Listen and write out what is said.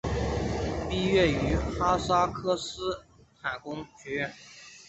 毕业于哈萨克斯坦工学院。